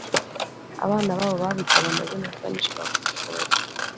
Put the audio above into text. Abana babo babitaga amazina yaganishaga ku bushobozi